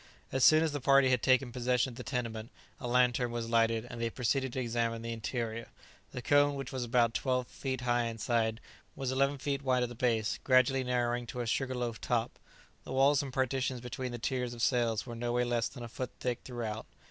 As soon as the party had taken possession of the tenement, a lantern was lighted, and they proceeded to examine the interior. The cone, which was about twelve feet high inside, was eleven feet wide at the base, gradually narrowing to a sugar loaf top. The walls and partitions between the tiers of cells were nowhere less than a foot thick throughout.